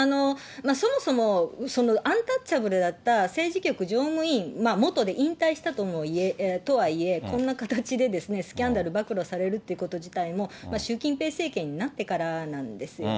そもそもそのアンタッチャブルだった政治局常務委員、元で引退したとはいえ、こんな形でスキャンダル暴露されるってこと自体も習近平政権になってからなんですよね。